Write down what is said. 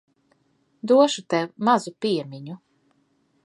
Došu tev mazu piemiņu.